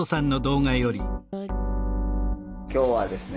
今日はですね